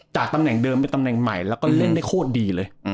ตำแหน่งเดิมเป็นตำแหน่งใหม่แล้วก็เล่นได้โคตรดีเลย